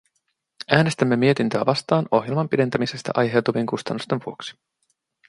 Äänestämme mietintöä vastaan ohjelman pidentämisestä aiheutuvien kustannusten vuoksi.